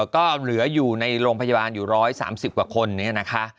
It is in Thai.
ก็เหลืออยู่ในโรงพยาบาลอยู่๑๓๐กว่าคนนี้นะคะ